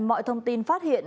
mọi thông tin phát hiện